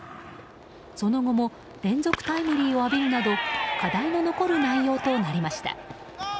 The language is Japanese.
その後も連続タイムリーを浴びるなど課題も残る内容となりました。